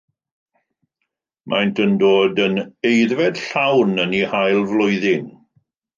Maent yn dod yn aeddfed llawn yn eu hail flwyddyn.